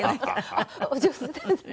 あっお上手ですね。